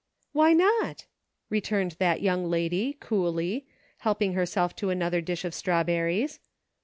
" Why not ?" returned that young lady, coolly, helping herself to another dish of strawberries.